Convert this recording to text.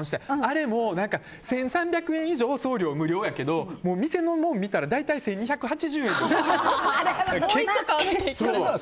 あれも、１３００円以上送料無料やけど、店のもん見たら大体１２８０円とか。